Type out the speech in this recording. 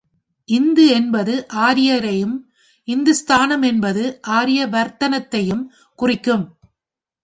இந்து என்பது ஆரியரையும், இந்துஸ்தானம் என்பது ஆரிய வர்த்தனத்தையும் குறிக்கும்.